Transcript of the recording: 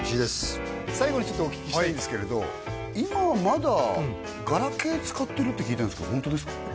最後にちょっとお聞きしたいんですけれど今まだガラケー使ってるって聞いてるんですけどホントですか？